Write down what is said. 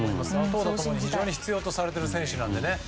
投打ともに必要とされている選手なのでね。